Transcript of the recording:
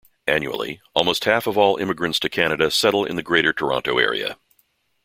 Annually, almost half of all immigrants to Canada settle in the Greater Toronto Area.